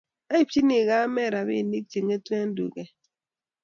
Aibchini kame robinik che kang'etu eng' duket